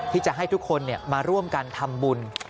ที่จะให้ทุกคนมาร่วมกันทำบุญ